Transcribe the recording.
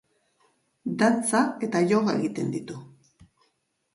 Dantza eta yoga egiten ditu.